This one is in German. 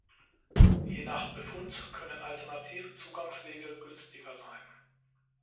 Je nach Befund können alternative Zugangswege günstiger sein.